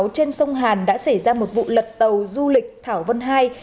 trên sông hàn đã xảy ra một vụ lật tàu du lịch thảo văn hai